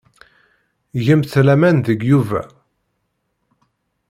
Gemt laman deg Yuba.